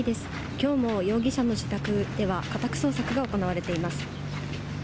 きょうも容疑者の自宅では、家宅捜索が行われています。